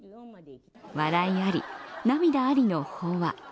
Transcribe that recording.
笑いあり、涙ありの法話。